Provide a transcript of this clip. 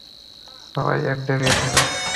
সবাই এক জায়গায় থাকো!